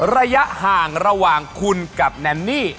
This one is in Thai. ระยะห่างระหว่างคุณกับแนนนี่